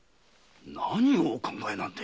何をお考えなんで？